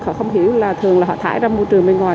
họ không hiểu là thường là họ thải ra môi trường bên ngoài